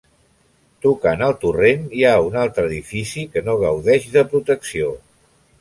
Tocant al torrent hi ha un altre edifici que no gaudeix de protecció.